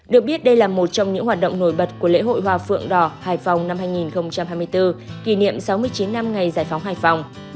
được biết đây là một trong những hoạt động nổi bật của lễ hội hoa phượng đỏ hải phòng năm hai nghìn hai mươi bốn kỷ niệm sáu mươi chín năm ngày giải phóng hải phòng